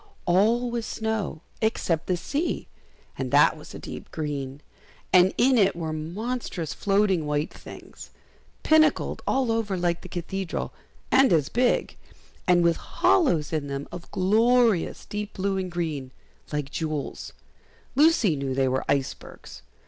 All was snow except the sea, and that was a deep green, and in it were monstrous floating white things, pinnacled all over like the Cathedral, and as big, and with hollows in them of glorious deep blue and green, like jewels; Lucy knew they were icebergs.